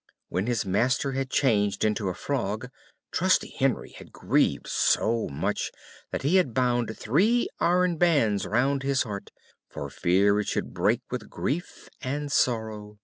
When his master was changed into a frog, trusty Henry had grieved so much that he had bound three iron bands round his heart, for fear it should break with grief and sorrow.